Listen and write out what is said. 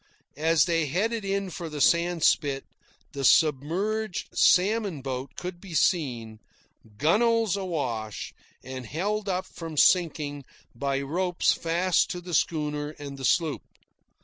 As they headed in for the sandspit, the submerged salmon boat could be seen, gunwales awash and held up from sinking by ropes fast to the schooner and the sloop.